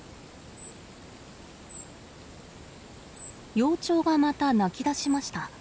幼鳥がまた鳴き出しました。